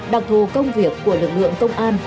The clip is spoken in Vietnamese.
đặc thù công việc của lực lượng công an